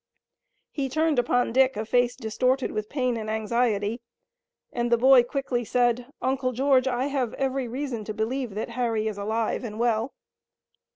He turned upon Dick a face distorted with pain and anxiety, and the boy quickly said: "Uncle George, I have every reason to believe that Harry is alive and well."